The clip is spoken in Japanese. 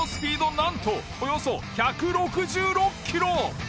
なんとおよそ１６６キロ！